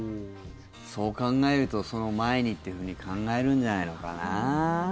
そう考えるとその前にっていうふうに考えるんじゃないのかな。